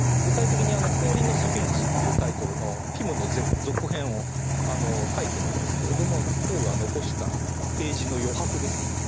具体的に「氷のスフィンクス」っていうタイトルの「ピム」の続編を書いてるんですけれどもポーが残したページの余白ですね。